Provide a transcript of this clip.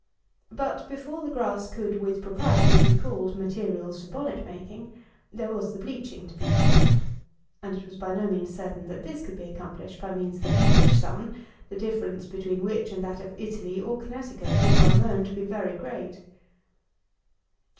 But before the grass could, with propriety, be called materials for bonnet making, there was the bleaching to be performed; and it was by no means certain that this could be accomplished by means of an English sun, the difference between which and that of Italy or Connecticut was well known to be very great.